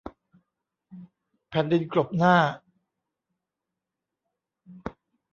แผ่นดินกลบหน้า